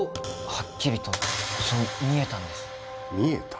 はっきりとそう見えたんです見えた？